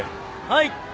はい！